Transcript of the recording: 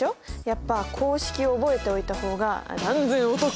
やっぱ公式を覚えておいた方が断然お得。